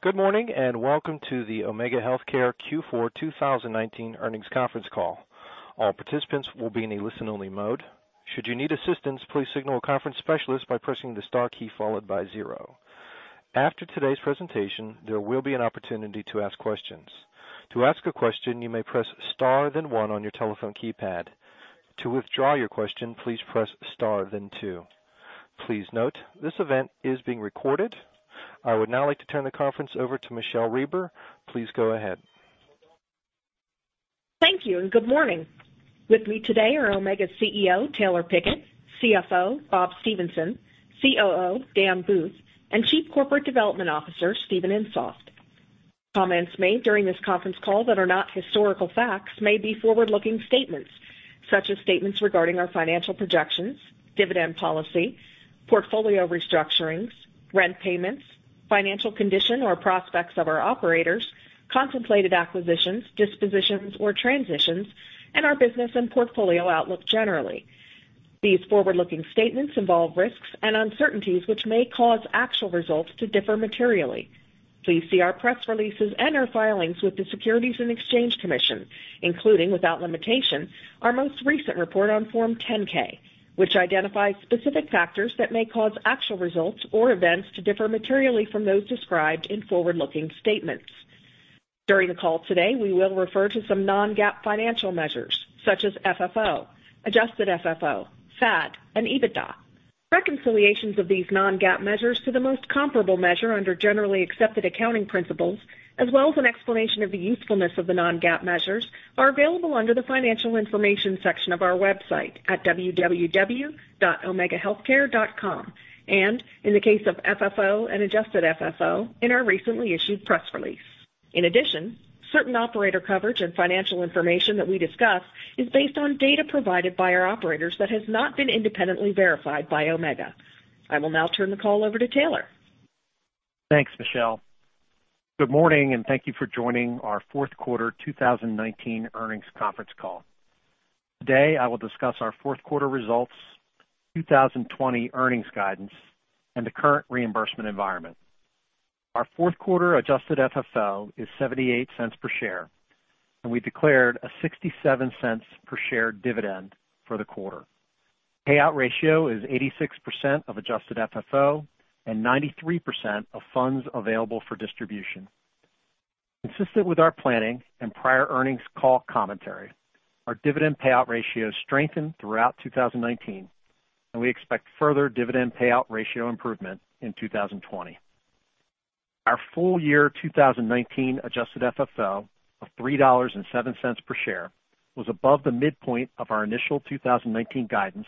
Good morning, and welcome to the Omega Healthcare Investors Q4 2019 earnings conference call. All participants will be in a listen-only mode. Should you need assistance, please signal a conference specialist by pressing the star key followed by zero. After today's presentation, there will be an opportunity to ask questions. To ask a question, you may press star then one on your telephone keypad. To withdraw your question, please press star then two. Please note, this event is being recorded. I would now like to turn the conference over to Michele Reber. Please go ahead. Thank you. Good morning. With me today are Omega CEO, Taylor Pickett, CFO, Bob Stephenson, COO, Dan Booth, and Chief Corporate Development Officer, Steven Insoft. Comments made during this conference call that are not historical facts may be forward-looking statements, such as statements regarding our financial projections, dividend policy, portfolio restructurings, rent payments, financial condition or prospects of our operators, contemplated acquisitions, dispositions, or transitions, and our business and portfolio outlook generally. These forward-looking statements involve risks and uncertainties which may cause actual results to differ materially. Please see our press releases and our filings with the Securities and Exchange Commission, including, without limitation, our most recent report on Form 10-K, which identifies specific factors that may cause actual results or events to differ materially from those described in forward-looking statements. During the call today, we will refer to some non-GAAP financial measures, such as FFO, adjusted FFO, FAD, and EBITDA. Reconciliations of these non-GAAP measures to the most comparable measure under generally accepted accounting principles, as well as an explanation of the usefulness of the non-GAAP measures, are available under the Financial Information section of our website at www.omegahealthcare.com and, in the case of FFO and adjusted FFO, in our recently issued press release. In addition, certain operator coverage and financial information that we discuss is based on data provided by our operators that has not been independently verified by Omega. I will now turn the call over to Taylor. Thanks, Michele. Good morning, and thank you for joining our fourth quarter 2019 earnings conference call. Today, I will discuss our fourth quarter results, 2020 earnings guidance, and the current reimbursement environment. Our fourth quarter adjusted FFO is $0.78 per share, and we declared a $0.67 per share dividend for the quarter. Payout ratio is 86% of adjusted FFO and 93% of funds available for distribution. Consistent with our planning and prior earnings call commentary, our dividend payout ratio strengthened throughout 2019, and we expect further dividend payout ratio improvement in 2020. Our full year 2019 adjusted FFO of $3.07 per share was above the midpoint of our initial 2019 guidance,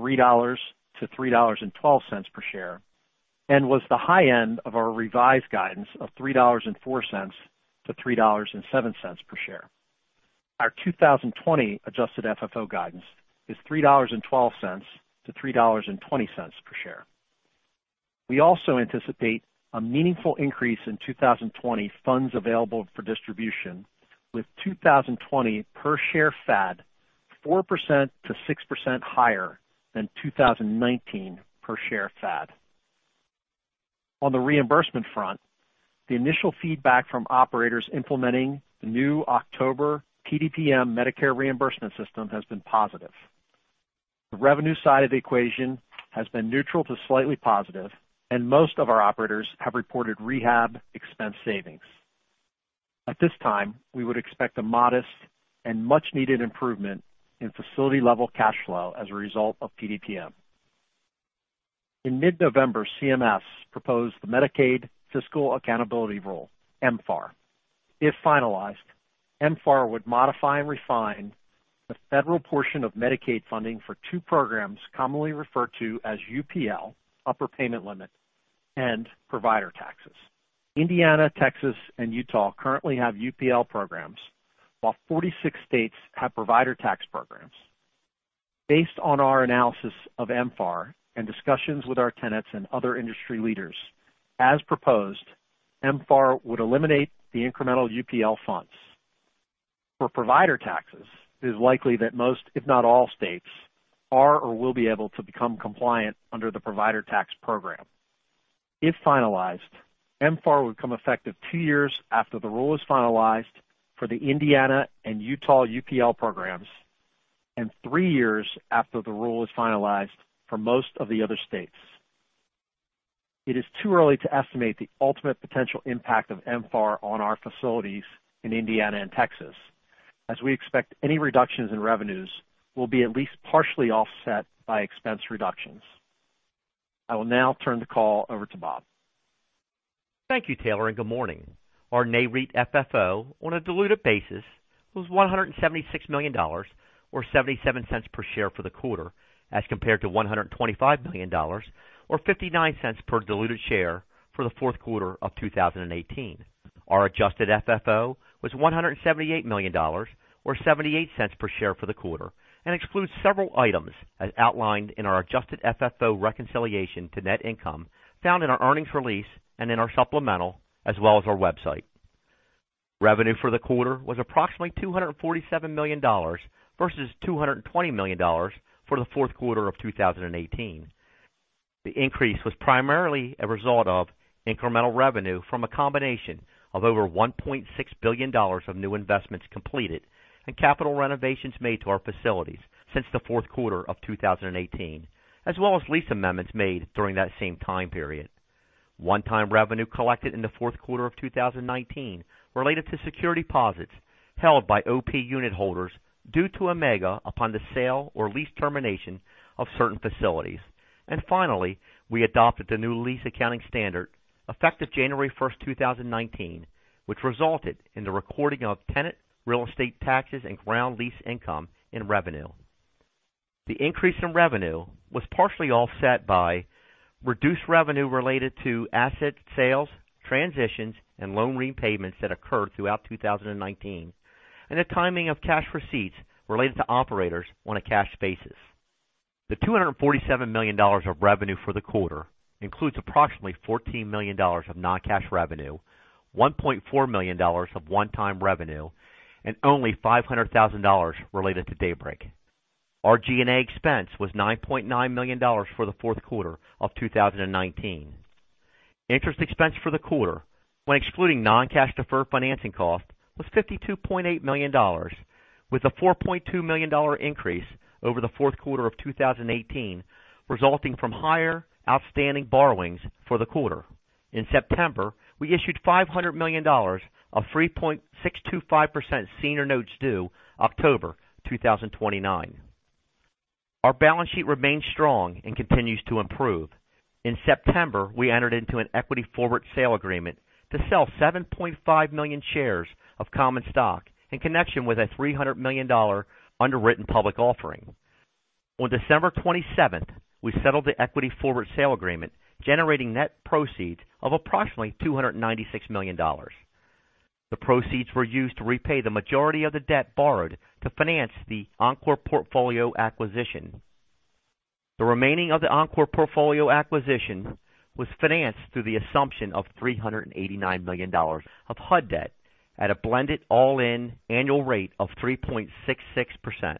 $3.00-$3.12 per share, and was the high end of our revised guidance of $3.04-$3.07 per share. Our 2020 Adjusted FFO guidance is $3.12-$3.20 per share. We also anticipate a meaningful increase in 2020 Funds Available for Distribution, with 2020 per share FAD 4%-6% higher than 2019 per share FAD. On the reimbursement front, the initial feedback from operators implementing the new October PDPM Medicare reimbursement system has been positive. The revenue side of the equation has been neutral to slightly positive, and most of our operators have reported rehab expense savings. At this time, we would expect a modest and much-needed improvement in facility-level cash flow as a result of PDPM. In mid-November, CMS proposed the Medicaid Fiscal Accountability Rule, MFAR. If finalized, MFAR would modify and refine the federal portion of Medicaid funding for two programs commonly referred to as UPL, Upper Payment Limit, and provider taxes. Indiana, Texas, and Utah currently have UPL programs, while 46 states have provider tax programs. Based on our analysis of MFAR and discussions with our tenants and other industry leaders, as proposed, MFAR would eliminate the incremental UPL funds. For provider taxes, it is likely that most, if not all, states are or will be able to become compliant under the provider tax program. If finalized, MFAR would come effective two years after the rule is finalized for the Indiana and Utah UPL programs and three years after the rule is finalized for most of the other states. It is too early to estimate the ultimate potential impact of MFAR on our facilities in Indiana and Texas, as we expect any reductions in revenues will be at least partially offset by expense reductions. I will now turn the call over to Bob. Thank you, Taylor, and good morning. Our Nareit FFO on a diluted basis was $176 million, or $0.77 per share for the quarter, as compared to $125 million or $0.59 per diluted share for the fourth quarter of 2018. Our Adjusted FFO was $178 million or $0.78 per share for the quarter and excludes several items as outlined in our Adjusted FFO reconciliation to net income found in our earnings release and in our supplemental, as well as our website. Revenue for the quarter was approximately $247 million versus $220 million for the fourth quarter of 2018. The increase was primarily a result of incremental revenue from a combination of over $1.6 billion of new investments completed and capital renovations made to our facilities since the fourth quarter of 2018, as well as lease amendments made during that same time period. One-time revenue collected in the fourth quarter of 2019 related to security deposits held by OP unit holders due to Omega upon the sale or lease termination of certain facilities. Finally, we adopted the new lease accounting standard effective January 1, 2019, which resulted in the recording of tenant real estate taxes and ground lease income in revenue. The increase in revenue was partially offset by reduced revenue related to asset sales, transitions, and loan repayments that occurred throughout 2019, and the timing of cash receipts related to operators on a cash basis. The $247 million of revenue for the quarter includes approximately $14 million of non-cash revenue, $1.4 million of one-time revenue, and only $500,000 related to Daybreak. Our G&A expense was $9.9 million for the fourth quarter of 2019. Interest expense for the quarter, when excluding non-cash deferred financing cost, was $52.8 million, with a $4.2 million increase over the fourth quarter of 2018 resulting from higher outstanding borrowings for the quarter. In September, we issued $500 million of 3.625% senior notes due October 2029. Our balance sheet remains strong and continues to improve. In September, we entered into an equity forward sale agreement to sell 7.5 million shares of common stock in connection with a $300 million underwritten public offering. On December 27th, we settled the equity forward sale agreement, generating net proceeds of approximately $296 million. The proceeds were used to repay the majority of the debt borrowed to finance the Encore portfolio acquisition. The remaining of the Encore portfolio acquisition was financed through the assumption of $389 million of HUD debt at a blended all-in annual rate of 3.66%.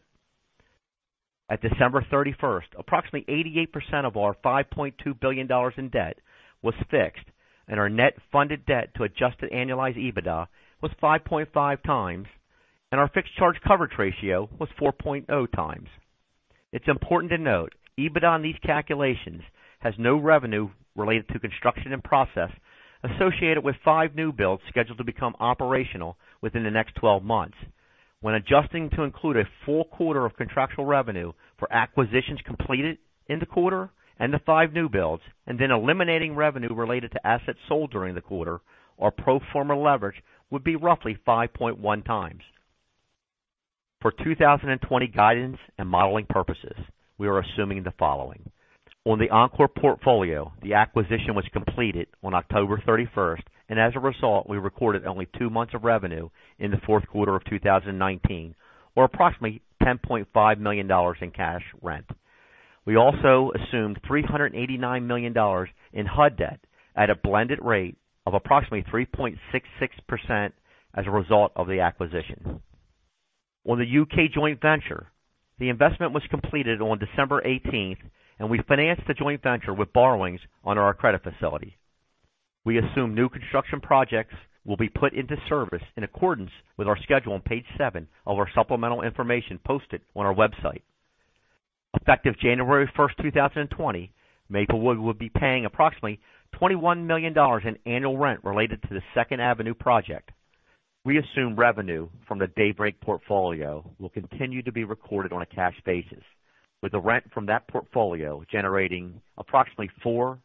At December 31st, approximately 88% of our $5.2 billion in debt was fixed and our net funded debt to adjusted annualized EBITDA was 5.5x, and our fixed charge coverage ratio was 4.0x. It's important to note, EBITDA on these calculations has no revenue related to construction in process associated with five new builds scheduled to become operational within the next 12 months. When adjusting to include a full quarter of contractual revenue for acquisitions completed in the quarter and the five new builds, and then eliminating revenue related to assets sold during the quarter, our pro forma leverage would be roughly 5.1x. For 2020 guidance and modeling purposes, we are assuming the following. On the Encore portfolio, the acquisition was completed on October 31st, as a result, we recorded only two months of revenue in the fourth quarter of 2019, or approximately $10.5 million in cash rent. We also assumed $389 million in HUD debt at a blended rate of approximately 3.66% as a result of the acquisition. On the U.K. joint venture, the investment was completed on December 18th, we financed the joint venture with borrowings under our credit facility. We assume new construction projects will be put into service in accordance with our schedule on page seven of our supplemental information posted on our website. Effective January 1st, 2020, Maplewood will be paying approximately $21 million in annual rent related to the Second Avenue project. We assume revenue from the Daybreak portfolio will continue to be recorded on a cash basis, with the rent from that portfolio generating approximately $4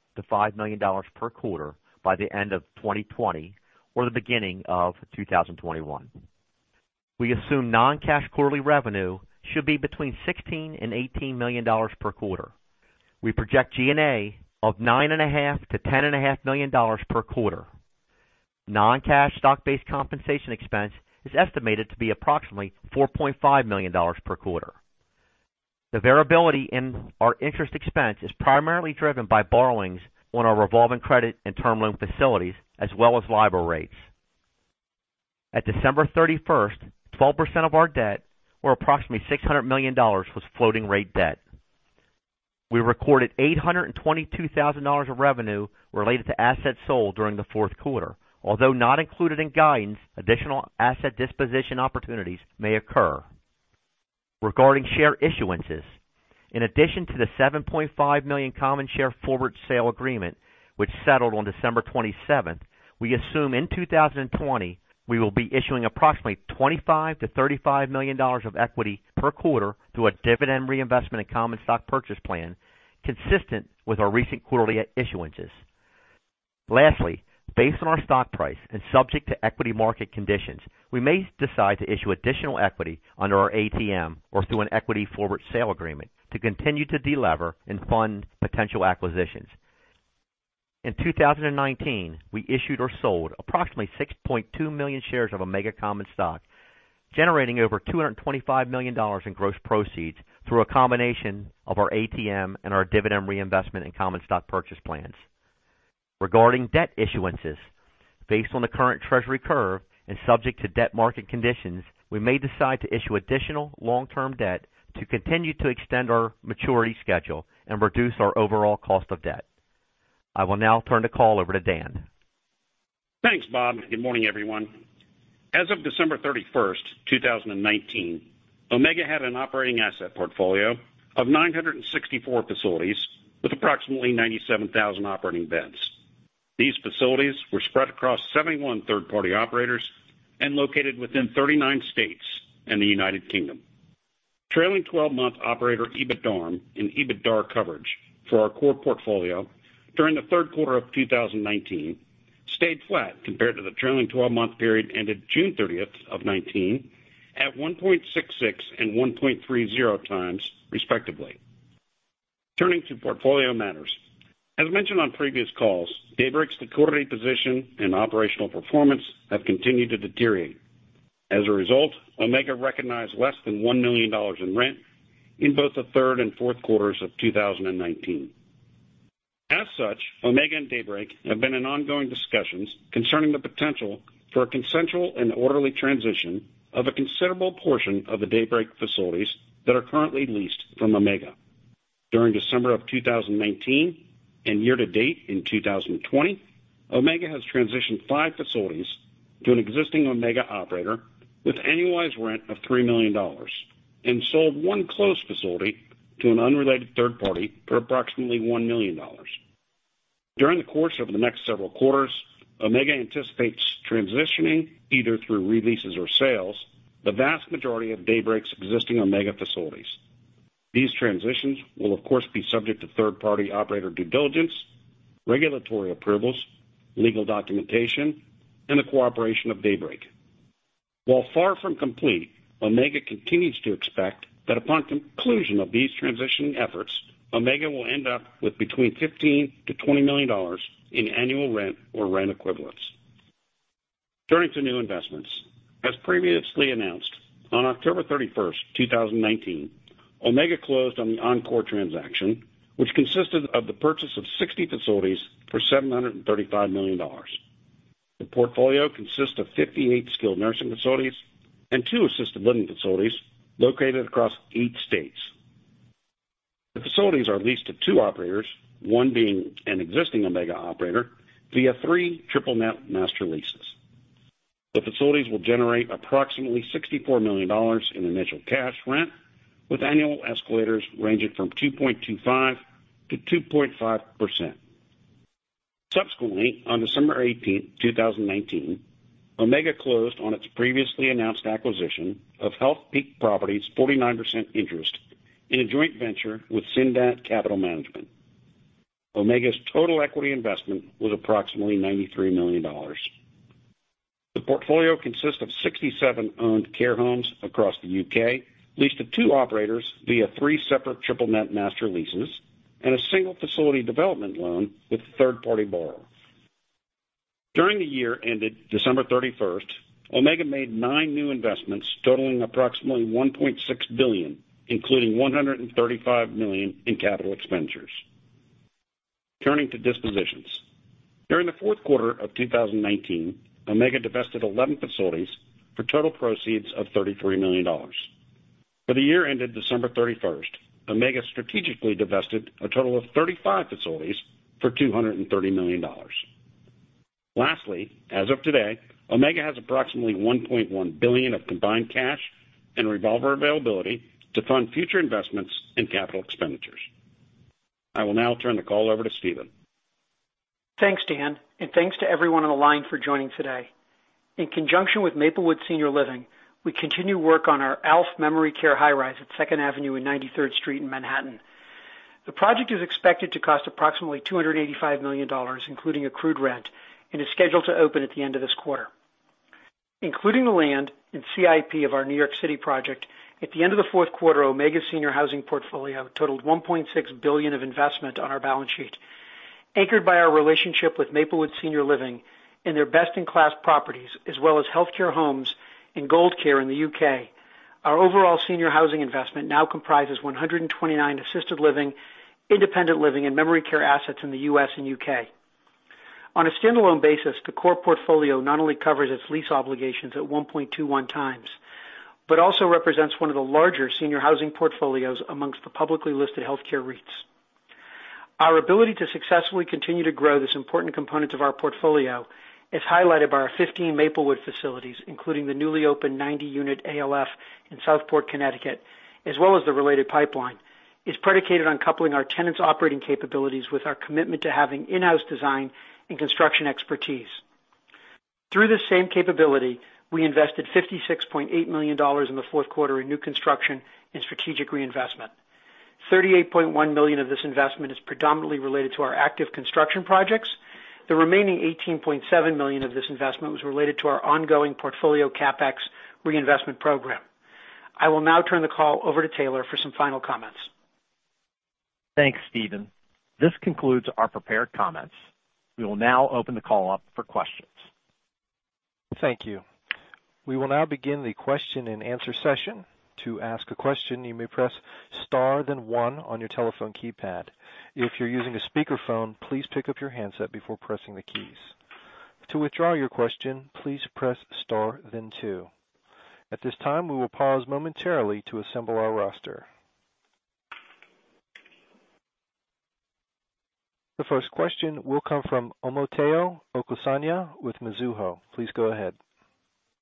million-$5 million per quarter by the end of 2020 or the beginning of 2021. We assume non-cash quarterly revenue should be between $16 million-$18 million per quarter. We project G&A of $9.5 million-$10.5 million per quarter. Non-cash stock-based compensation expense is estimated to be approximately $4.5 million per quarter. The variability in our interest expense is primarily driven by borrowings on our revolving credit and term loan facilities, as well as LIBOR rates. At December 31st, 12% of our debt, or approximately $600 million, was floating rate debt. We recorded $822,000 of revenue related to assets sold during the fourth quarter. Although not included in guidance, additional asset disposition opportunities may occur. Regarding share issuances, in addition to the 7.5 million common share forward sale agreement, which settled on December 27th, we assume in 2020, we will be issuing approximately $25 million-$35 million of equity per quarter through a dividend reinvestment and common stock purchase plan consistent with our recent quarterly issuances. Lastly, based on our stock price and subject to equity market conditions, we may decide to issue additional equity under our ATM or through an equity forward sale agreement to continue to de-lever and fund potential acquisitions. In 2019, we issued or sold approximately 6.2 million shares of Omega common stock generating over $225 million in gross proceeds through a combination of our ATM and our dividend reinvestment in common stock purchase plans. Regarding debt issuances, based on the current Treasury curve and subject to debt market conditions, we may decide to issue additional long-term debt to continue to extend our maturity schedule and reduce our overall cost of debt. I will now turn the call over to Dan. Thanks, Bob. Good morning, everyone. As of December 31st, 2019, Omega had an operating asset portfolio of 964 facilities with approximately 97,000 operating beds. These facilities were spread across 71 third-party operators and located within 39 states and the United Kingdom. Trailing 12-month operator EBITDARM and EBITDA coverage for our core portfolio during the third quarter of 2019 stayed flat compared to the trailing 12-month period ended June 30th of 2019, at 1.66x and 1.30x respectively. Turning to portfolio matters. As mentioned on previous calls, Daybreak's deferral position and operational performance have continued to deteriorate. As a result, Omega recognized less than $1 million in rent in both the third and fourth quarters of 2019. As such, Omega and Daybreak have been in ongoing discussions concerning the potential for a consensual and orderly transition of a considerable portion of the Daybreak facilities that are currently leased from Omega. During December of 2019 and year to date in 2020, Omega has transitioned five facilities to an existing Omega operator with annualized rent of $3 million and sold one closed facility to an unrelated third party for approximately $1 million. During the course of the next several quarters, Omega anticipates transitioning, either through re-leases or sales, the vast majority of Daybreak's existing Omega facilities. These transitions will, of course, be subject to third-party operator due diligence, regulatory approvals, legal documentation, and the cooperation of Daybreak. While far from complete, Omega continues to expect that upon conclusion of these transitioning efforts, Omega will end up with between $15 million-$20 million in annual rent or rent equivalents. Turning to new investments. As previously announced, on October 31st, 2019, Omega closed on the Encore transaction, which consisted of the purchase of 60 facilities for $735 million. The portfolio consists of 58 skilled nursing facilities and two assisted living facilities located across eight states. The facilities are leased to two operators, one being an existing Omega operator, via three triple-net master leases. The facilities will generate approximately $64 million in initial cash rent, with annual escalators ranging from 2.25%-2.5%. Subsequently, on December 18th, 2019, Omega closed on its previously announced acquisition of Healthpeak Properties' 49% interest in a joint venture with Cindat Capital Management. Omega's total equity investment was approximately $93 million. The portfolio consists of 67 owned care homes across the U.K., leased to two operators via three separate triple-net master leases and a single facility development loan with a third-party borrower. During the year ended December 31st, Omega made nine new investments totaling approximately $1.6 billion, including $135 million in capital expenditures. Turning to dispositions. During the fourth quarter of 2019, Omega divested 11 facilities for total proceeds of $33 million. For the year ended December 31st, Omega strategically divested a total of 35 facilities for $230 million. Lastly, as of today, Omega has approximately $1.1 billion of combined cash and revolver availability to fund future investments in capital expenditures. I will now turn the call over to Steven. Thanks, Dan. Thanks to everyone on the line for joining today. In conjunction with Maplewood Senior Living, we continue work on our ALF memory care high-rise at 2nd Avenue and 93rd Street in Manhattan. The project is expected to cost approximately $285 million, including accrued rent, and is scheduled to open at the end of this quarter. Including the land and CIP of our New York City project, at the end of the fourth quarter, Omega's senior housing portfolio totaled $1.6 billion of investment on our balance sheet. Anchored by our relationship with Maplewood Senior Living and their best-in-class properties, as well as Healthcare Homes and Gold Care in the U.K. Our overall senior housing investment now comprises 129 assisted living, independent living, and memory care assets in the U.S. and U.K. On a standalone basis, the core portfolio not only covers its lease obligations at 1.21x but also represents one of the larger senior housing portfolios amongst the publicly listed healthcare REITs. Our ability to successfully continue to grow this important component of our portfolio is highlighted by our 15 Maplewood facilities, including the newly opened 90-unit ALF in Southport, Connecticut, as well as the related pipeline, is predicated on coupling our tenants' operating capabilities with our commitment to having in-house design and construction expertise. Through this same capability, we invested $56.8 million in the fourth quarter in new construction and strategic reinvestment. $38.1 million of this investment is predominantly related to our active construction projects. The remaining $18.7 million of this investment was related to our ongoing portfolio CapEx reinvestment program. I will now turn the call over to Taylor for some final comments. Thanks, Steven. This concludes our prepared comments. We will now open the call up for questions. Thank you. We will now begin the question and answer session. To ask a question, you may press star then one on your telephone keypad. If you're using a speakerphone, please pick up your handset before pressing the keys. To withdraw your question, please press star then two. At this time, we will pause momentarily to assemble our roster. The first question will come from Omotayo Okusanya with Mizuho. Please go ahead.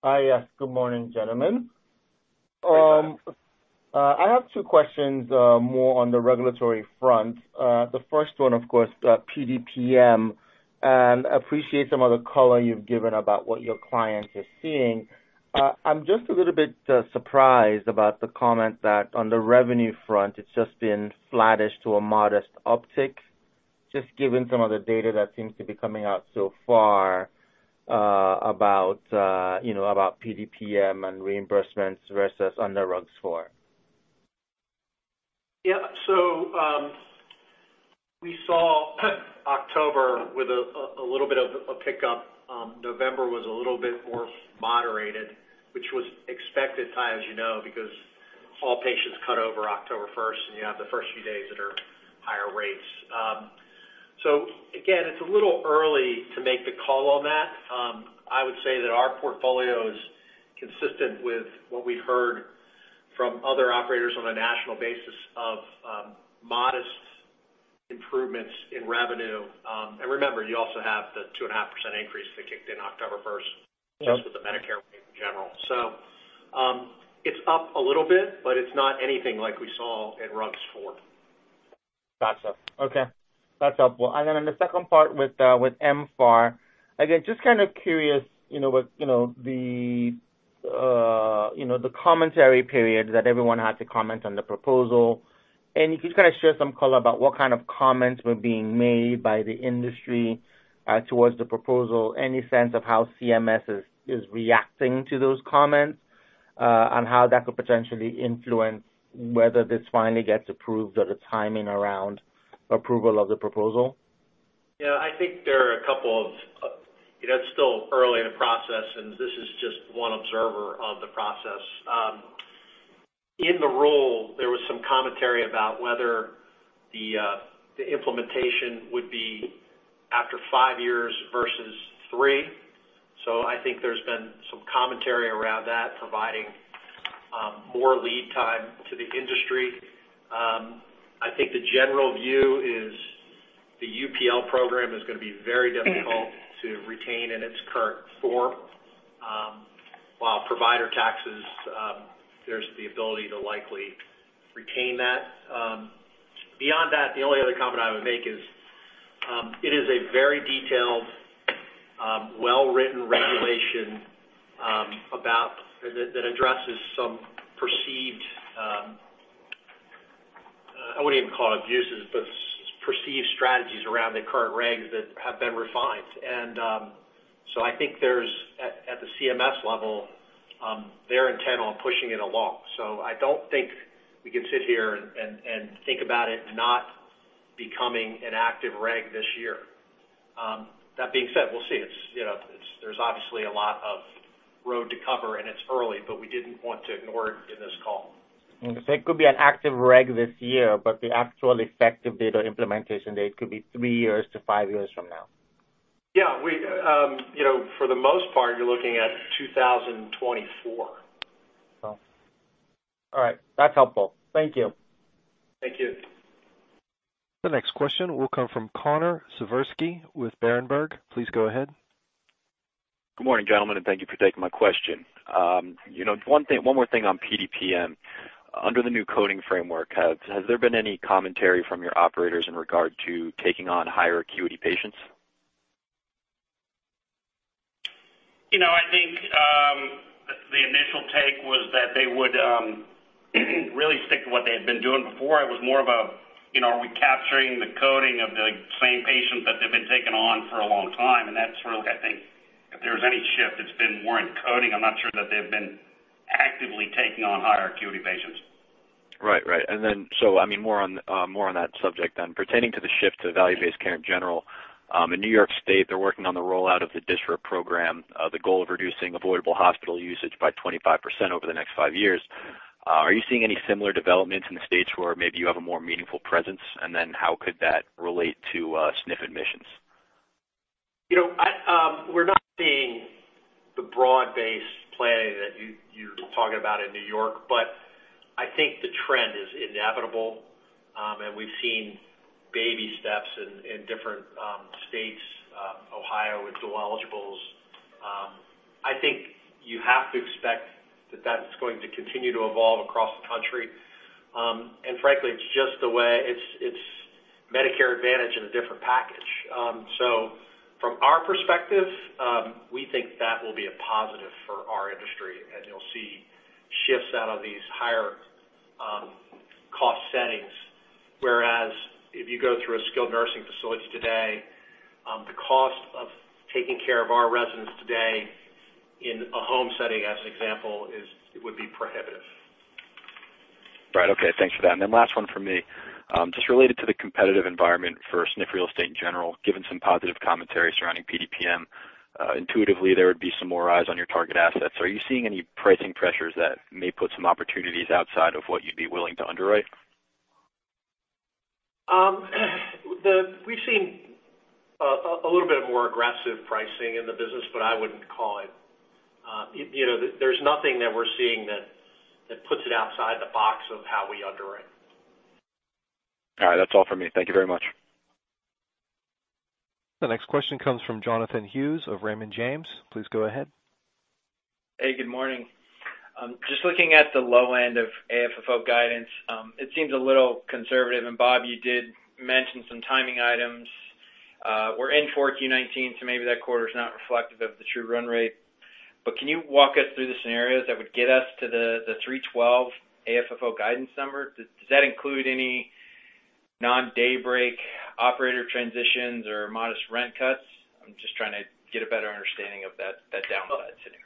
Hi. Good morning, gentlemen. Good morning. I have two questions more on the regulatory front. The first one, of course, PDPM. Appreciate some of the color you've given about what your clients are seeing. I'm just a little bit surprised about the comment that on the revenue front, it's just been flattish to a modest uptick, just given some of the data that seems to be coming out so far about PDPM and reimbursements versus under RUGs IV. We saw October with a little bit of a pickup. November was a little bit more moderated, which was expected, Tayo, as you know, because all patients cut over October 1st, and you have the first few days that are higher rates. Again, it's a little early to make the call on that. I would say that our portfolio is consistent with what we've heard from other operators on a national basis of modest improvements in revenue. Remember, you also have the 2.5% increase that kicked in October 1st. Yes just with the Medicare rate in general. It's up a little bit, but it's not anything like we saw in RUGs IV. Gotcha. Okay. That's helpful. Then in the second part with MFAR, again, just kind of curious with the commentary period that everyone had to comment on the proposal. If you could kind of share some color about what kind of comments were being made by the industry towards the proposal. Any sense of how CMS is reacting to those comments, on how that could potentially influence whether this finally gets approved or the timing around approval of the proposal? Yeah, It's still early in the process, and this is just one observer of the process. In the rule, there was some commentary about whether the implementation would be after five years versus three. I think there's been some commentary around that, providing more lead time to the industry. I think the general view is the UPL program is going to be very difficult to retain in its current form. While provider taxes, there's the ability to likely retain that. Beyond that, the only other comment I would make is, it is a very detailed, well-written regulation that addresses some perceived, I wouldn't even call it abuses, but perceived strategies around the current regs that have been refined. I think there's, at the CMS level, they're intent on pushing it along. I don't think we can sit here and think about it not becoming an active reg this year. That being said, we'll see. There's obviously a lot of road to cover, and it's early, but we didn't want to ignore it in this call. It could be an active reg this year, but the actual effective date or implementation date could be three years to five years from now. Yeah. For the most part, you're looking at 2024. All right. That's helpful. Thank you. Thank you. The next question will come from Connor Siversky with Berenberg. Please go ahead. Good morning, gentlemen. Thank you for taking my question. One more thing on PDPM. Under the new coding framework, has there been any commentary from your operators in regard to taking on higher acuity patients? I think the initial take was that they would really stick to what they had been doing before. It was more of a, are we capturing the coding of the same patients that they've been taking on for a long time? That's where I think if there's any shift, it's been more in coding. I'm not sure that they've been actively taking on higher acuity patients. Right. More on that subject. Pertaining to the shift to value-based care in general, in New York State, they're working on the rollout of the DSRIP program, the goal of reducing avoidable hospital usage by 25% over the next five years. Are you seeing any similar developments in the states where maybe you have a more meaningful presence? How could that relate to SNF admissions? We're not seeing the broad-based planning that you're talking about in New York, but I think the trend is inevitable. We've seen baby steps in different states, Ohio with dual eligibles. I think you have to expect that that's going to continue to evolve across the country. Frankly, it's Medicare Advantage in a different package. From our perspective, we think that will be a positive for our industry, and you'll see shifts out of these higher cost settings, whereas if you go through a skilled nursing facility today, the cost of taking care of our residents today. In a home setting, as an example, it would be prohibitive. Right. Okay. Thanks for that. Last one from me, just related to the competitive environment for SNF Real Estate in general, given some positive commentary surrounding PDPM, intuitively, there would be some more eyes on your target assets. Are you seeing any pricing pressures that may put some opportunities outside of what you'd be willing to underwrite? We've seen a little bit of more aggressive pricing in the business, but I wouldn't call it. There's nothing that we're seeing that puts it outside the box of how we underwrite. All right. That's all from me. Thank you very much. The next question comes from Jonathan Hughes of Raymond James. Please go ahead. Good morning. Just looking at the low end of AFFO guidance. It seems a little conservative, and Bob, you did mention some timing items. We're in 4Q 2019, so maybe that quarter's not reflective of the true run rate. Can you walk us through the scenarios that would get us to the $3.12 AFFO guidance number? Does that include any non-Daybreak operator transitions or modest rent cuts? I'm just trying to get a better understanding of that downside scenario.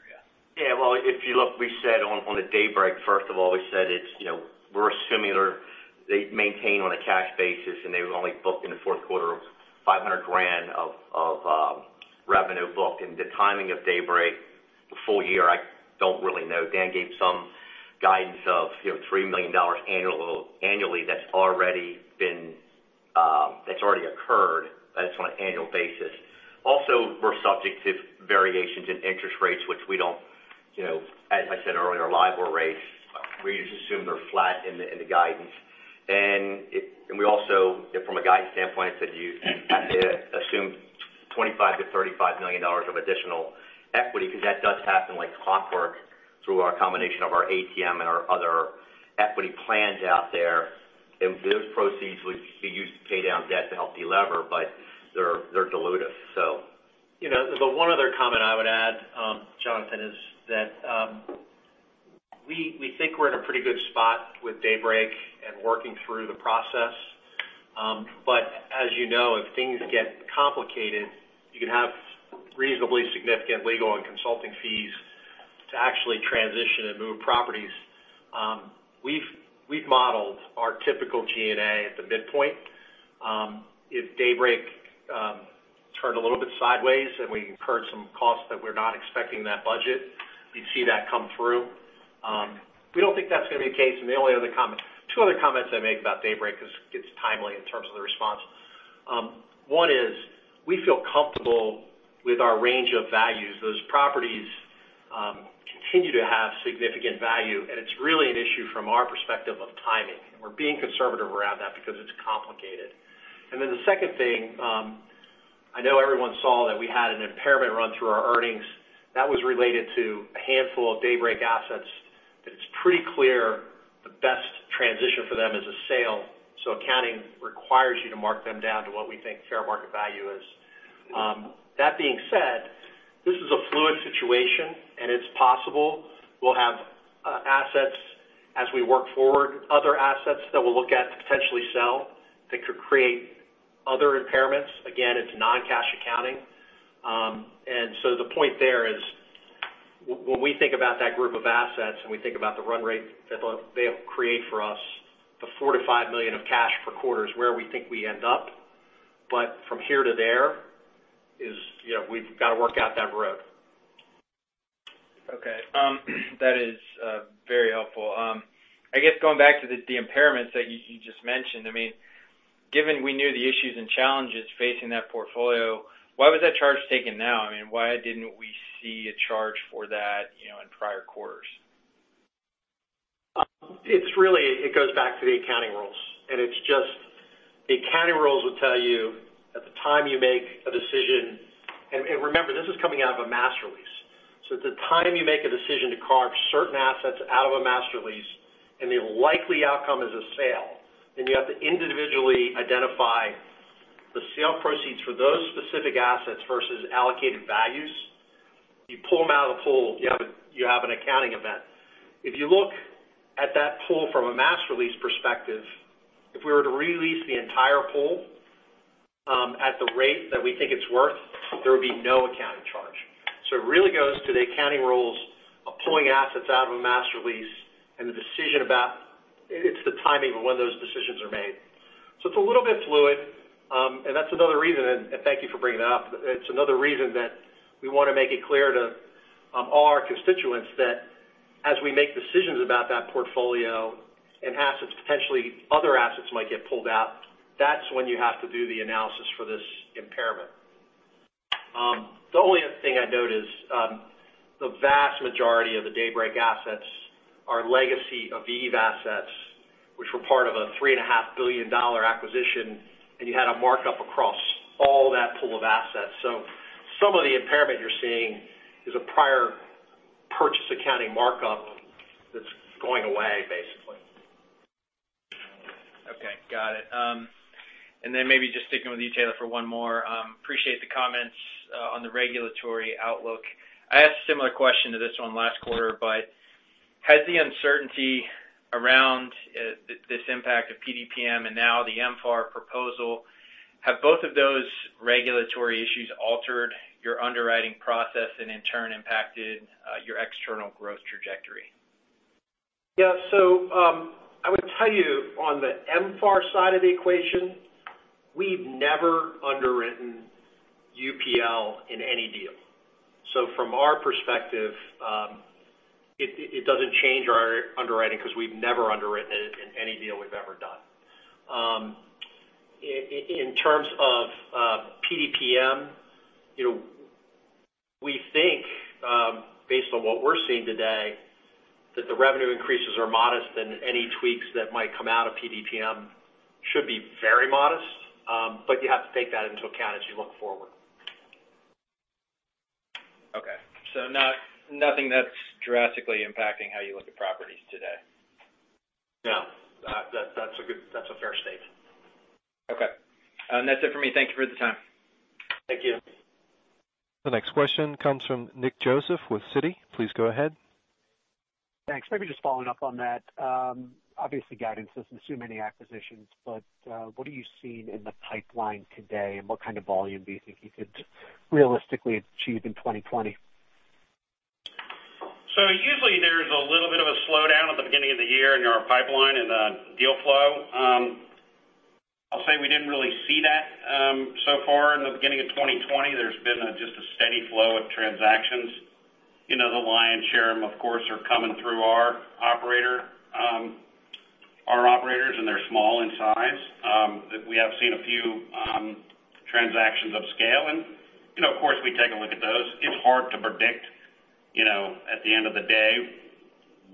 Well, if you look, we said on the Daybreak, first of all, we said we're assuming they maintain on a cash basis, and they've only booked in the fourth quarter, $500,000 of revenue booked. The timing of Daybreak, the full year, I don't really know. Dan gave some guidance of $3 million annually that's already occurred. That's on an annual basis. We're subject to variations in interest rates, which we don't, as I said earlier, LIBOR rates, we just assume they're flat in the guidance. We also, from a guidance standpoint, I said you assume $25 million-$35 million of additional equity, because that does happen like clockwork through our combination of our ATM and our other equity plans out there. Those proceeds would be used to pay down debt to help delever, but they're dilutive. The one other comment I would add, Jonathan, is that we think we're in a pretty good spot with Daybreak and working through the process. As you know, if things get complicated, you can have reasonably significant legal and consulting fees to actually transition and move properties. We've modeled our typical G&A at the midpoint. If Daybreak turned a little bit sideways and we incurred some costs that we're not expecting in that budget, you'd see that come through. We don't think that's going to be the case, and the only other comment, two other comments I'd make about Daybreak, because it's timely in terms of the response. One is, we feel comfortable with our range of values. Those properties continue to have significant value, and it's really an issue from our perspective of timing, and we're being conservative around that because it's complicated. The second thing, I know everyone saw that we had an impairment run through our earnings. That was related to a handful of Daybreak assets, that it's pretty clear the best transition for them is a sale, so accounting requires you to mark them down to what we think fair market value is. That being said, this is a fluid situation, and it's possible we'll have assets as we work forward, other assets that we'll look at to potentially sell that could create other impairments. Again, it's non-cash accounting. The point there is, when we think about that group of assets and we think about the run rate that they'll create for us, the $4 million-$5 million of cash per quarter is where we think we end up. From here to there, we've got to work out that road. Okay. That is very helpful. I guess going back to the impairments that you just mentioned. Given we knew the issues and challenges facing that portfolio, why was that charge taken now? Why didn't we see a charge for that in prior quarters? It goes back to the accounting rules, and it's just the accounting rules will tell you at the time you make a decision. Remember, this is coming out of a master lease. At the time you make a decision to carve certain assets out of a master lease and the likely outcome is a sale, you have to individually identify the sale proceeds for those specific assets versus allocated values. You pull them out of the pool, you have an accounting event. If you look at that pool from a master lease perspective, if we were to re-lease the entire pool at the rate that we think it's worth, there would be no accounting charge. It really goes to the accounting rules of pulling assets out of a master lease and the decision about the timing of when those decisions are made. It's a little bit fluid, and that's another reason, and thank you for bringing that up. It's another reason that we want to make it clear to all our constituents that as we make decisions about that portfolio and assets, potentially other assets might get pulled out. That's when you have to do the analysis for this impairment. The only other thing I'd note is the vast majority of the Daybreak assets are legacy Aviv assets, which were part of a $3.5 billion acquisition, and you had a markup across all that pool of assets. Some of the impairment you're seeing is a prior purchase accounting markup that's going away, basically. Okay. Got it. Maybe just sticking with you, Taylor, for one more. Appreciate the comments on the regulatory outlook. I asked a similar question to this one last quarter. Has the uncertainty around this impact of PDPM and now the MFAR proposal, have both of those regulatory issues altered your underwriting process and in turn impacted your external growth trajectory? Yeah. I would tell you on the MFAR side of the equation, we've never underwritten UPL in any deal. From our perspective, it doesn't change our underwriting because we've never underwritten it in any deal we've ever done. In terms of PDPM, we think, based on what we're seeing today, that the revenue increases are modest and any tweaks that might come out of PDPM should be very modest. You have to take that into account as you look forward. Okay. Nothing that's drastically impacting how you look at properties today. No. That's a fair statement. Okay. That's it for me. Thank you for the time. Thank you. The next question comes from Nick Joseph with Citi. Please go ahead. Thanks. Maybe just following up on that. Obviously, guidance doesn't assume any acquisitions, but, what are you seeing in the pipeline today, and what kind of volume do you think you could realistically achieve in 2020? Usually there's a little bit of a slowdown at the beginning of the year in our pipeline and the deal flow. I'll say we didn't really see that so far in the beginning of 2020. There's been just a steady flow of transactions. The lion's share of them, of course, are coming through our operators, and they're small in size. We have seen a few transactions of scale and of course, we take a look at those. It's hard to predict at the end of the day,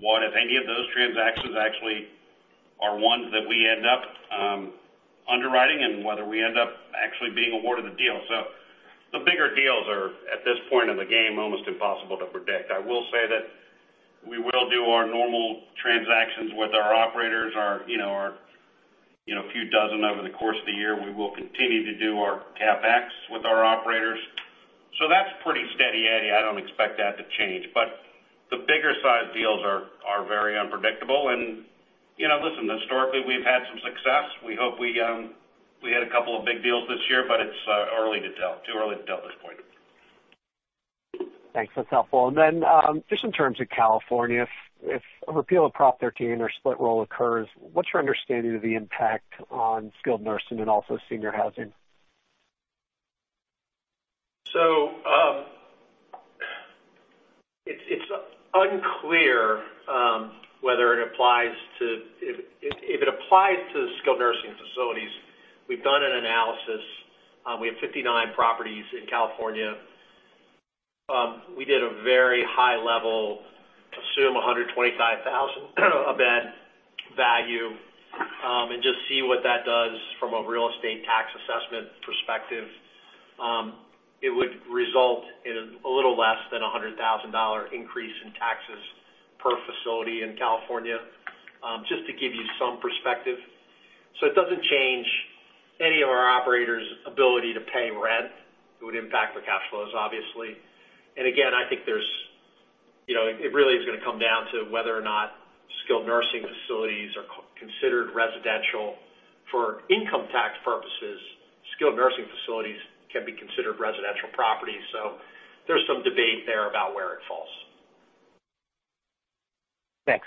what, if any, of those transactions actually are ones that we end up underwriting and whether we end up actually being awarded the deal. The bigger deals are, at this point in the game, almost impossible to predict. I will say that we will do our normal transactions with our operators, our few dozen over the course of the year. We will continue to do our CapEx with our operators. That's pretty steady Eddie. I don't expect that to change. The bigger size deals are very unpredictable and listen, historically, we've had some success. We hope we had a couple of big deals this year, but it's too early to tell at this point. Thanks. That's helpful. Just in terms of California, if a repeal of Proposition 13 or split roll occurs, what's your understanding of the impact on skilled nursing and also senior housing? It's unclear if it applies to skilled nursing facilities. We've done an analysis. We have 59 properties in California. We did a very high level, assume $125,000 a bed value, and just see what that does from a real estate tax assessment perspective. It would result in a little less than $100,000 increase in taxes per facility in California, just to give you some perspective. It doesn't change any of our operators' ability to pay rent. It would impact their cash flows, obviously. Again, I think it really is going to come down to whether or not skilled nursing facilities are considered residential. For income tax purposes, skilled nursing facilities can be considered residential properties. There's some debate there about where it falls. Thanks.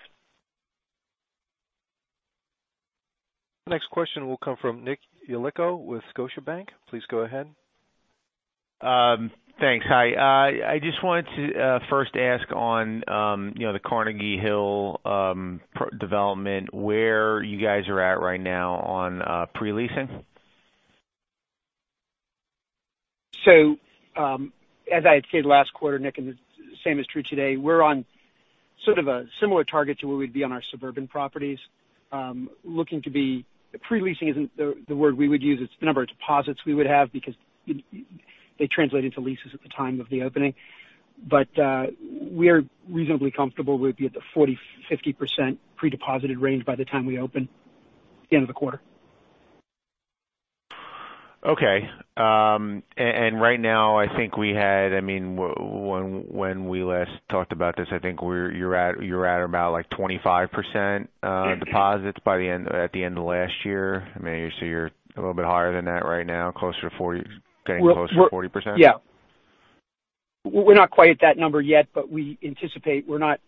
Next question will come from Nicholas Yulico with Scotiabank. Please go ahead. Thanks. Hi. I just wanted to first ask on the Carnegie Hill development, where you guys are at right now on pre-leasing? As I had stated last quarter, Nick, and the same is true today, we're on sort of a similar target to where we'd be on our suburban properties. Pre-leasing isn't the word we would use. It's the number of deposits we would have because they translate into leases at the time of the opening. We are reasonably comfortable we'd be at the 40%-50% pre-deposited range by the time we open at the end of the quarter. Okay. Right now, I think we had When we last talked about this, I think you were at about 25% deposits at the end of last year. So you're a little bit higher than that right now, getting close to 40%? Yeah. We're not quite at that number yet, but we anticipate.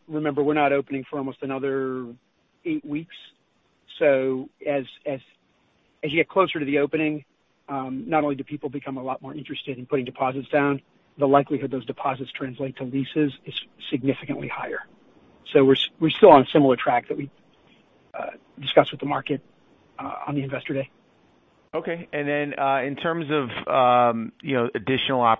Remember, we're not opening for almost another eight weeks. As you get closer to the opening, not only do people become a lot more interested in putting deposits down, the likelihood those deposits translate to leases is significantly higher. We're still on a similar track that we discussed with the market on the investor day. Okay. In terms of additional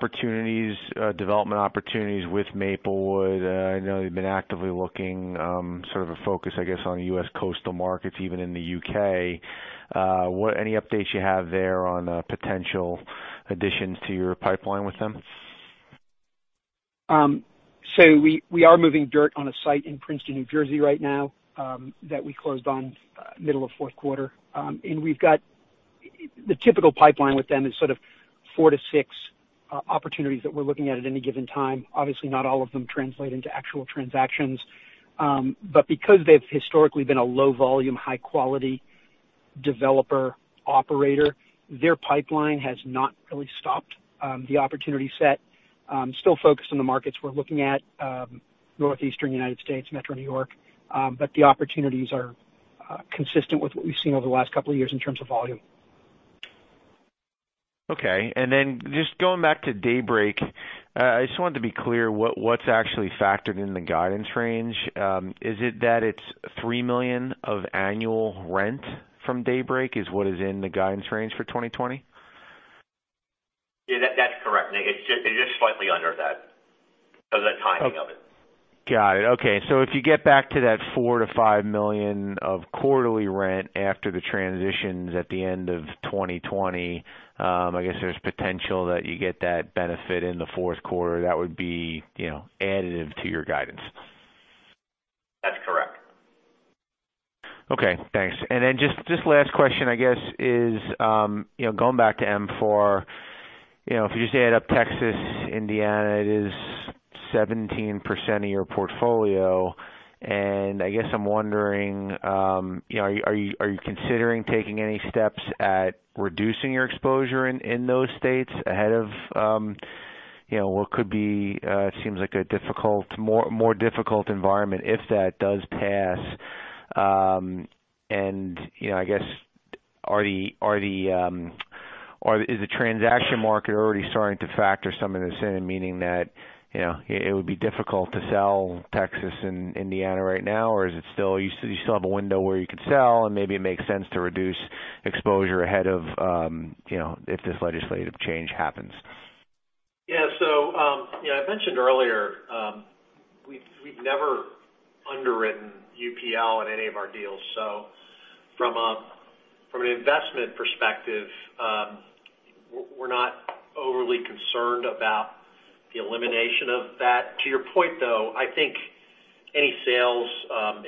development opportunities with Maplewood, I know you've been actively looking, sort of a focus, I guess, on U.S. coastal markets, even in the U.K. Any updates you have there on potential additions to your pipeline with them? We are moving dirt on a site in Princeton, New Jersey right now, that we closed on middle of fourth quarter. The typical pipeline with them is sort of four to six opportunities that we're looking at at any given time. Obviously, not all of them translate into actual transactions. Because they've historically been a low volume, high-quality developer operator, their pipeline has not really stopped. The opportunity set, still focused on the markets we're looking at, Northeastern U.S., Metro New York. The opportunities are consistent with what we've seen over the last couple of years in terms of volume. Okay. Just going back to Daybreak, I just wanted to be clear what's actually factored in the guidance range. Is it that it's $3 million of annual rent from Daybreak is what is in the guidance range for 2020? That's correct. It's just slightly under that because of the timing of it. Got it. Okay. If you get back to that $4 million-$5 million of quarterly rent after the transitions at the end of 2020, I guess there's potential that you get that benefit in the fourth quarter, that would be additive to your guidance. That's correct. Okay, thanks. Then just last question, I guess, is going back to MFAR, if you just add up Texas, Indiana, it is 17% of your portfolio, I guess I'm wondering, are you considering taking any steps at reducing your exposure in those states ahead of what could be, it seems like, a more difficult environment if that does pass? I guess, is the transaction market already starting to factor some of this in, meaning that it would be difficult to sell Texas and Indiana right now? Do you still have a window where you could sell and maybe it makes sense to reduce exposure ahead if this legislative change happens? Yeah. I mentioned earlier, we've never underwritten UPL in any of our deals. From an investment perspective, we're not overly concerned about the elimination of that. To your point, though, I think any sales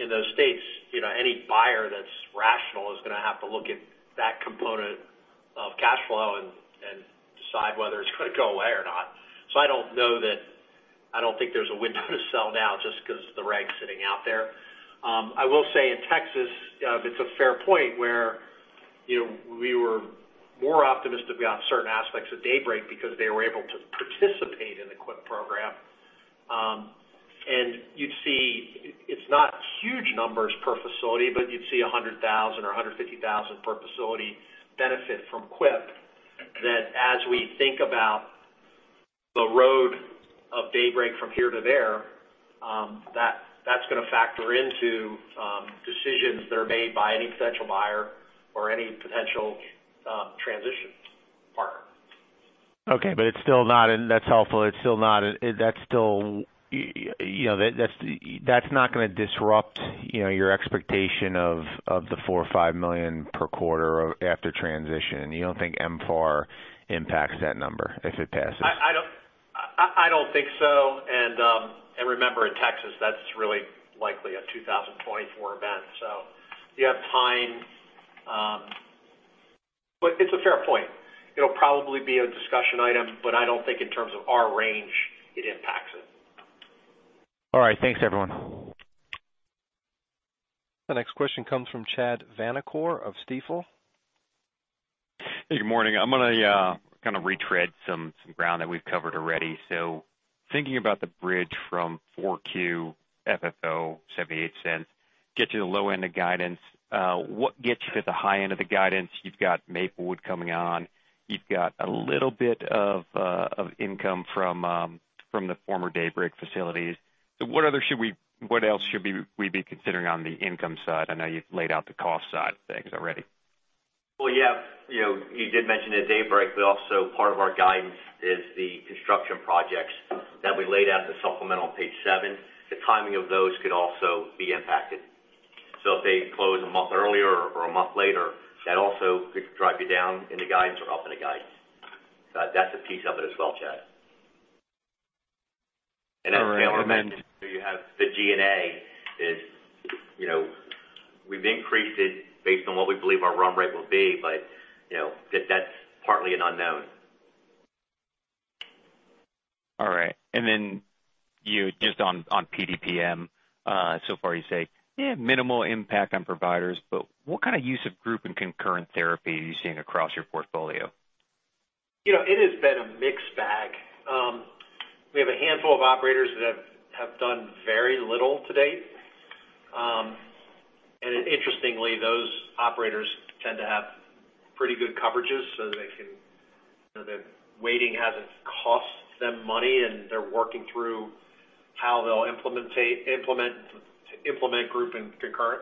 in those states, any buyer that's rational is going to have to look at that component of cash flow and decide whether it's going to go away or not. I don't think there's a window to sell now just because of the reg sitting out there. I will say in Texas, it's a fair point where we were more optimistic about certain aspects of Daybreak because they were able to participate in the QIPP program. You'd see it's not huge numbers per facility, but you'd see $100,000 or $150,000 per facility benefit from QIPP that as we think about the road of Daybreak from here to there, that's going to factor into decisions that are made by any potential buyer or any potential transition partner. Okay. That's helpful. That's not going to disrupt your expectation of the $4 million-$5 million per quarter after transition. You don't think MFAR impacts that number if it passes? I don't think so. Remember, in Texas, that's really likely a 2024 event, so you have time. It's a fair point. It'll probably be a discussion item, but I don't think in terms of our range, it impacts it. All right. Thanks, everyone. The next question comes from Chad Vanacore of Stifel. Hey, good morning. I'm going to kind of retread some ground that we've covered already. Thinking about the bridge from 4Q, FFO $0.78, gets you to the low end of guidance. What gets you to the high end of the guidance? You've got Maplewood coming on. You've got a little bit of income from the former Daybreak facilities. What else should we be considering on the income side? I know you've laid out the cost side of things already. Well, yeah. You did mention the Daybreak, also part of our guidance is the construction projects that we laid out in the supplemental page seven. The timing of those could also be impacted. If they close a month earlier or a month later, that also could drive you down in the guidance or up in the guidance. That's a piece of it as well, Chad. All right. Then- As Taylor mentioned, you have the G&A is we've increased it based on what we believe our run rate will be, but that's partly an unknown. All right. You just on PDPM, so far you say, yeah, minimal impact on providers, but what kind of use of group and concurrent therapy are you seeing across your portfolio? It has been a mixed bag. We have a handful of operators that have done very little to date. Interestingly, those operators tend to have pretty good coverages so the waiting hasn't cost them money, and they're working through how they'll implement group and concurrent.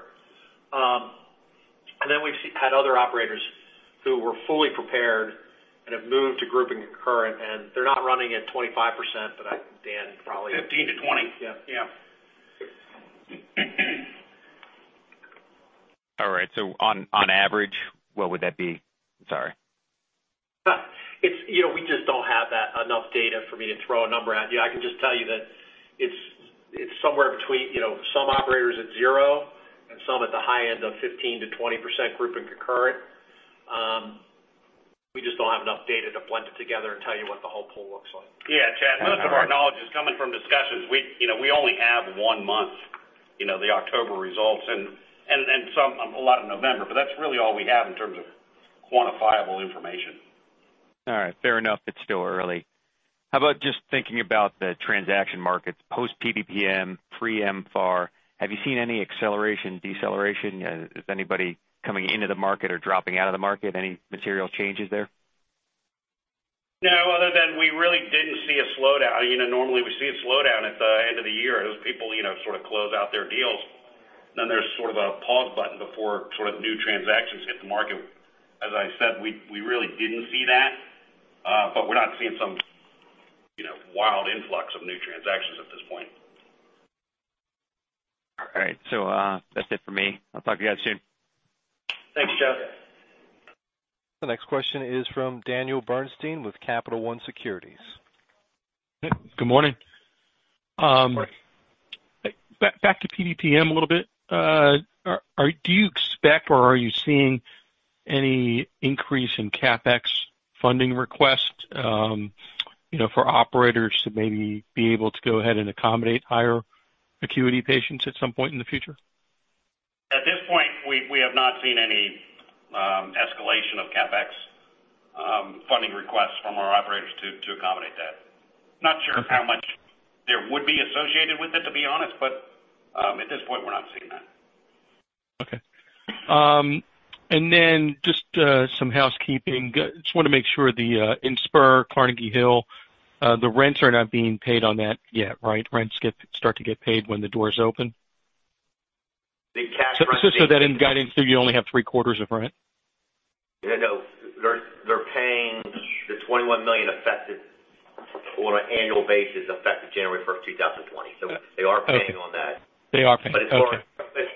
Then we've had other operators who were fully prepared and have moved to group and concurrent, and they're not running at 25%. Dan, probably. 15%-20%. Yeah. All right. On average, what would that be? Sorry. We just don't have enough data for me to throw a number at you. I can just tell you that it's somewhere between some operators at zero and some at the high end of 15%-20% group and concurrent. We just don't have enough data to blend it together and tell you what the whole pool looks like. Yeah, Chad, most of our knowledge is coming from discussions. We only have one month, the October results, and a lot of November, but that's really all we have in terms of quantifiable information. All right. Fair enough. It's still early. How about just thinking about the transaction markets, post-PDPM, pre-MFAR. Have you seen any acceleration, deceleration? Is anybody coming into the market or dropping out of the market? Any material changes there? Other than we really didn't see a slowdown. Normally, we see a slowdown at the end of the year as people sort of close out their deals, then there's sort of a pause button before new transactions hit the market. As I said, we really didn't see that, but we're not seeing some wild influx of new transactions at this point. All right. That's it for me. I'll talk to you guys soon. Thanks, Chad. The next question is from Daniel Bernstein with Capital One Securities. Good morning. Good morning. Back to PDPM a little bit. Do you expect or are you seeing any increase in CapEx funding requests for operators to maybe be able to go ahead and accommodate higher acuity patients at some point in the future? At this point, we have not seen any escalation of CapEx funding requests from our operators to accommodate that. Not sure how much there would be associated with it, to be honest, but, at this point, we're not seeing that. Okay. Just some housekeeping. Just want to make sure the Inspīr Carnegie Hill, the rents are not being paid on that yet, right? Rents start to get paid when the doors open? The cash rents. Just so that in guidance view, you only have three quarters of rent. No. They're paying the $21 million on an annual basis, effective January 1st, 2020. They are paying on that. They are paying. Okay. As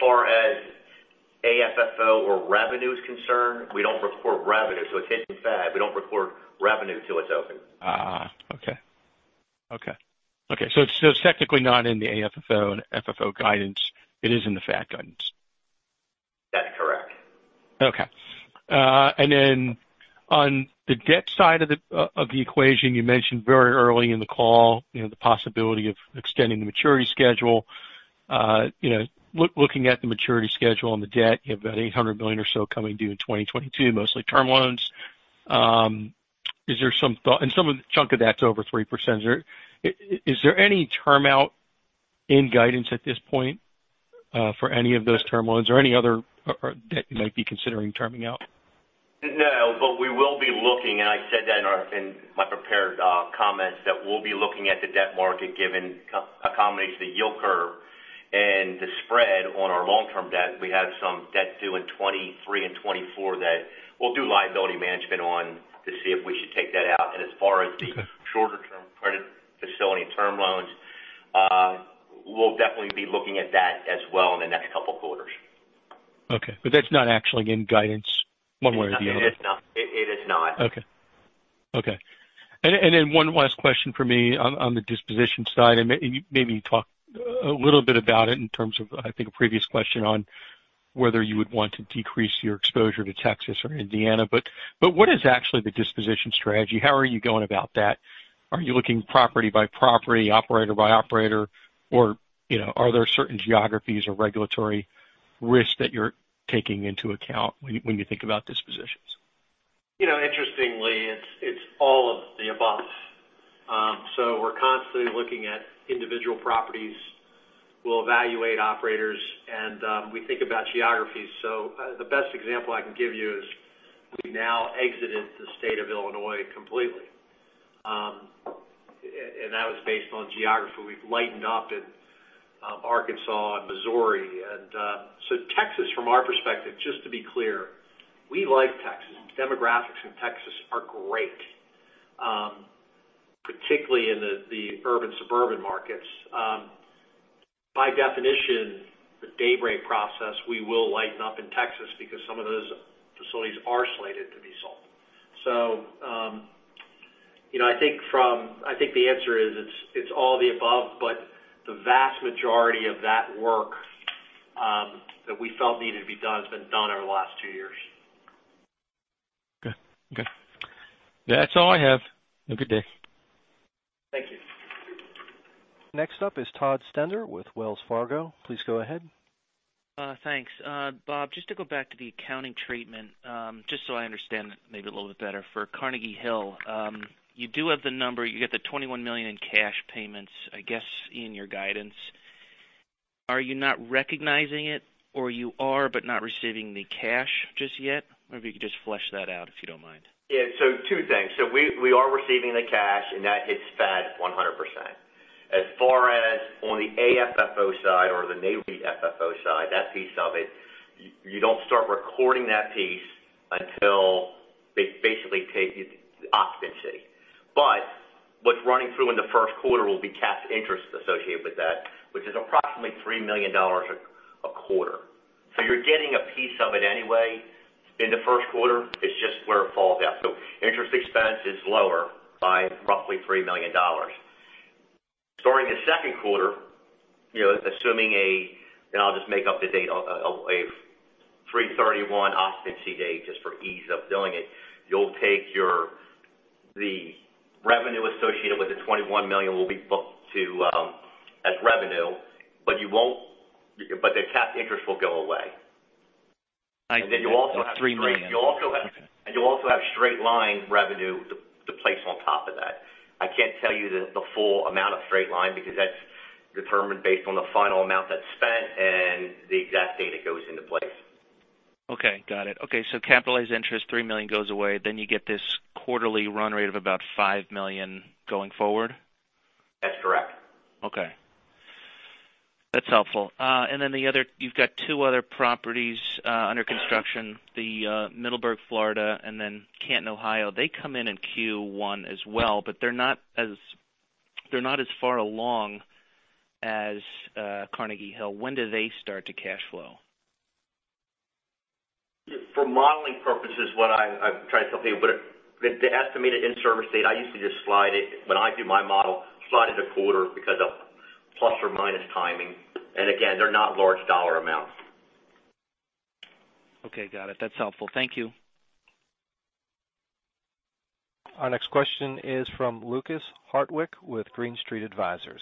far as AFFO or revenue is concerned, we don't report revenue, so it's hitting FAD. We don't report revenue till it's open. Okay. It's technically not in the AFFO and FFO guidance. It is in the FAD guidance. That's correct. Okay. On the debt side of the equation, you mentioned very early in the call, the possibility of extending the maturity schedule. Looking at the maturity schedule on the debt, you have about $800 million or so coming due in 2022, mostly term loans. Some of the chunk of that's over 3%. Is there any term out in guidance at this point, for any of those term loans or any other debt you might be considering terming out? No, we will be looking, and I said that in my prepared comments, that we'll be looking at the debt market given accommodates the yield curve and the spread on our long-term debt. We have some debt due in 2023 and 2024 that we'll do liability management on to see if we should take that out. Okay shorter-term credit facility term loans, we'll definitely be looking at that as well in the next couple of quarters. Okay. That's not actually in guidance one way or the other? It is not. Okay. One last question from me on the disposition side, and maybe you talked a little bit about it in terms of, I think, a previous question on whether you would want to decrease your exposure to Texas or Indiana. What is actually the disposition strategy? How are you going about that? Are you looking property by property, operator by operator, or are there certain geographies or regulatory risks that you're taking into account when you think about dispositions? Interestingly, it's all of the above. We're constantly looking at individual properties. We'll evaluate operators, and we think about geographies. The best example I can give you is we now exited the state of Illinois completely. That was based on geography. We've lightened up in Arkansas and Missouri. Texas from our perspective, just to be clear, we like Texas. Demographics in Texas are great, particularly in the urban suburban markets. By definition, the Daybreak process, we will lighten up in Texas because some of those facilities are slated to be sold. I think the answer is it's all the above, but the vast majority of that work that we felt needed to be done has been done over the last two years. Okay. That's all I have. Have a good day. Thank you. Next up is Todd Stender with Wells Fargo. Please go ahead. Thanks. Bob, just to go back to the accounting treatment, just so I understand maybe a little bit better for Carnegie Hill. You do have the number, you got the $21 million in cash payments, I guess, in your guidance. Are you not recognizing it, or you are, but not receiving the cash just yet? Maybe you could just flesh that out if you don't mind. Yeah. Two things. We are receiving the cash, and that hits FAD 100%. As far as on the AFFO side or the NAV AFFO side, that piece of it, you don't start recording that piece until they basically take occupancy. Running through in the first quarter will be capped interest associated with that, which is approximately $3 million a quarter. You're getting a piece of it anyway in the first quarter, it's just where it falls out. Interest expense is lower by roughly $3 million. Starting the second quarter, assuming a, and I'll just make up the date, a 3/31 occupancy date, just for ease of doing it. You'll take the revenue associated with the $21 million will be booked as revenue, but the capped interest will go away. I see. The $3 million. You'll also have straight line revenue to place on top of that. I can't tell you the full amount of straight line, because that's determined based on the final amount that's spent and the exact date it goes into place. Okay, got it. Okay, capitalized interest, $3 million goes away, then you get this quarterly run rate of about $5 million going forward? That's correct. Okay. That's helpful. You've got two other properties under construction, the Middleburg, Florida, and then Canton, Ohio. They come in in Q1 as well, but they're not as far along as Carnegie Hill. When do they start to cash flow? For modeling purposes, what I'm trying to tell people, the estimated in-service date, I usually just slide it, when I do my model, slide it a quarter because of plus or minus timing. Again, they're not large dollar amounts. Okay, got it. That's helpful. Thank you. Our next question is from Lukas Hartwich with Green Street Advisors.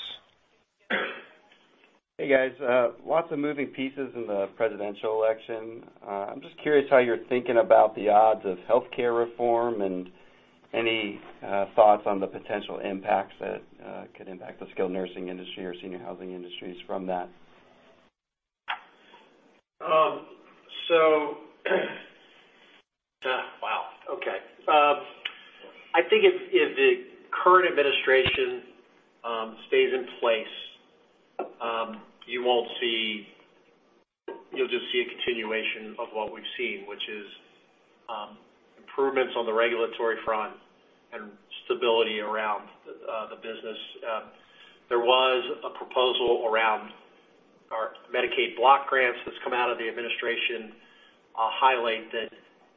Hey, guys. Lots of moving pieces in the presidential election. I'm just curious how you're thinking about the odds of healthcare reform, and any thoughts on the potential impacts that could impact the skilled nursing industry or senior housing industries from that? Wow, okay. I think if the current administration stays in place, you'll just see a continuation of what we've seen, which is improvements on the regulatory front and stability around the business. There was a proposal around our Medicaid block grants that's come out of the administration. I'll highlight that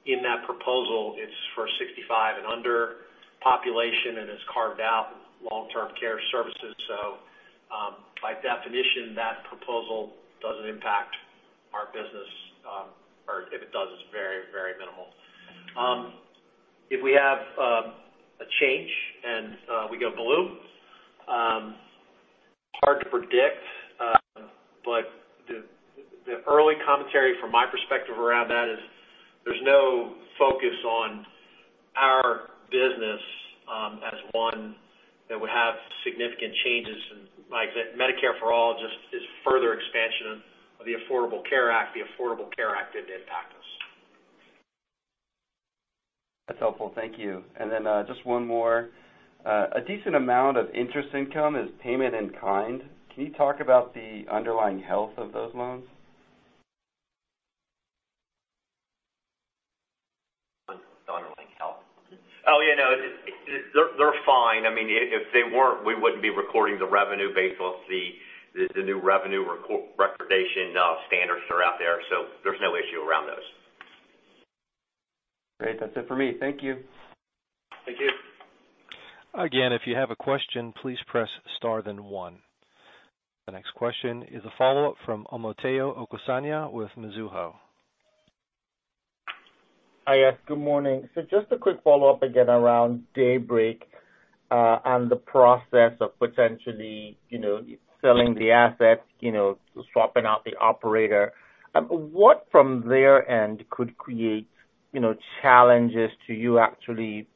in that proposal, it's for 65 and under population, and it's carved out long-term care services. By definition, that proposal doesn't impact our business. If it does, it's very, very minimal. If we have a change and we go blue, hard to predict. The early commentary from my perspective around that is, there's no focus on our business as one that would have significant changes. Medicare for All just is further expansion of the Affordable Care Act. The Affordable Care Act did impact us. That's helpful. Thank you. Then, just one more. A decent amount of interest income is payment in kind. Can you talk about the underlying health of those loans? Underlying health? Oh, yeah. No, they're fine. If they weren't, we wouldn't be recording the revenue based off the new revenue recordation standards that are out there. There's no issue around those. Great. That's it for me. Thank you. Thank you. Again, if you have a question, please press star then one. The next question is a follow-up from Omotayo Okusanya with Mizuho. Hi, yes. Good morning. Just a quick follow-up again around Daybreak, and the process of potentially selling the assets, swapping out the operator. What from their end could create challenges to you actually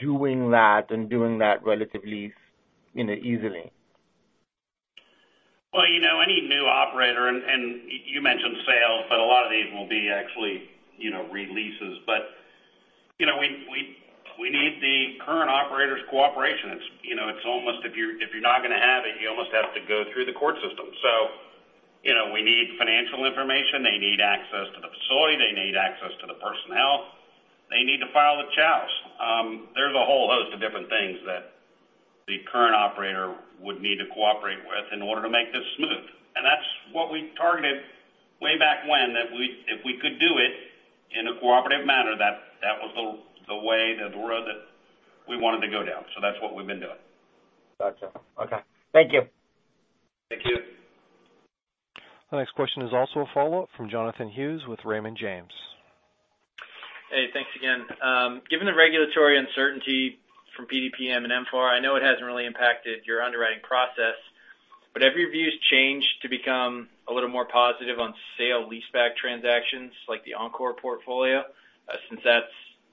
doing that and doing that relatively easily? Any new operator, and you mentioned sales, but a lot of these will be actually re-leases. We need the current operator's cooperation. If you're not going to have it, you almost have to go through the court system. We need financial information. They need access to the facility. They need access to the personnel. They need to file the CHOW. There's a whole host of different things that the current operator would need to cooperate with in order to make this smooth. That's what we targeted way back when, that if we could do it in a cooperative manner, that was the way, the road that we wanted to go down. That's what we've been doing. Gotcha. Okay. Thank you. Thank you. The next question is also a follow-up from Jonathan Hughes with Raymond James. Hey, thanks again. Given the regulatory uncertainty from PDPM and MFAR, I know it hasn't really impacted your underwriting process, but have your views changed to become a little more positive on sale-leaseback transactions, like the Encore portfolio? That's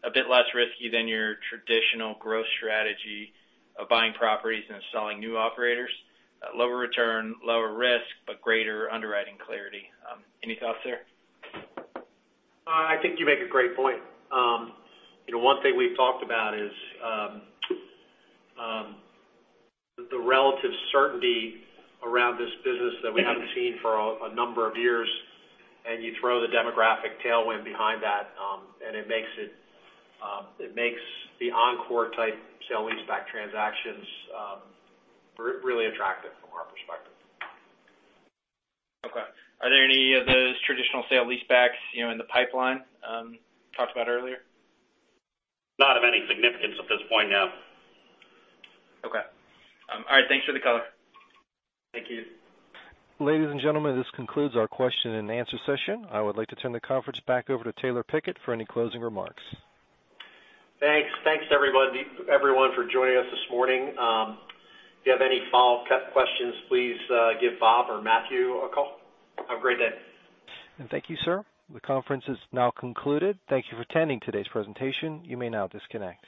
a bit less risky than your traditional growth strategy of buying properties and installing new operators. Lower return, lower risk, but greater underwriting clarity. Any thoughts there? I think you make a great point. One thing we've talked about is the relative certainty around this business that we haven't seen for a number of years, and you throw the demographic tailwind behind that, and it makes the Encore type sale-leaseback transactions really attractive from our perspective. Okay. Are there any of those traditional sale-leasebacks in the pipeline you talked about earlier? Not of any significance at this point, no. Okay. All right. Thanks for the color. Thank you. Ladies and gentlemen, this concludes our question and answer session. I would like to turn the conference back over to Taylor Pickett for any closing remarks. Thanks. Thanks, everyone, for joining us this morning. If you have any follow-up questions, please give Bob or Matthew a call. Have a great day. Thank you, sir. The conference is now concluded. Thank you for attending today's presentation. You may now disconnect.